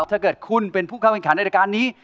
ถ้าเกิดคุณเป็นผู้เข้าแข่งขันในรายการนี้